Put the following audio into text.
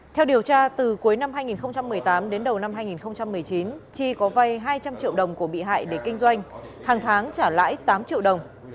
theo điều tra từ cuối năm hai nghìn một mươi tám đến đầu năm hai nghìn một mươi chín chi có vay hai trăm linh triệu đồng của bị hại để kinh doanh hàng tháng trả lãi tám triệu đồng